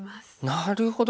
なるほど。